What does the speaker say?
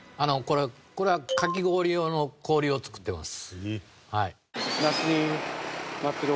これはカキ氷用の氷を作ってます。